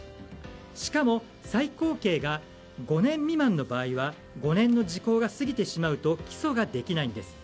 しかも最高刑が５年未満の場合は５年の時効が過ぎてしまうと起訴ができないんです。